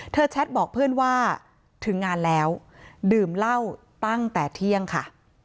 แชทบอกเพื่อนว่าถึงงานแล้วดื่มเหล้าตั้งแต่เที่ยงค่ะ